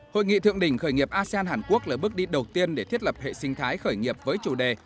hội nghị thượng đỉnh khởi nghiệp asean hàn quốc là bước đi đầu tiên để thiết lập hệ sinh thái khởi nghiệp với chủ đề